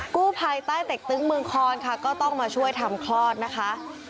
กู้ภัยใต้เต็กตึ้งเมืองคอนค่ะก็ต้องมาช่วยทำคลอดนะคะ